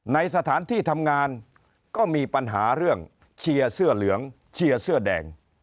ในสถานที่ทำงานก็มีปัญหาเรื่องเชียร์เสื้อเหลืองเชียร์เสื้อแดง